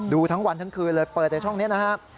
ดูทั้งวันทั้งคืนเลยเปิดแต่ช่องนี้นะครับ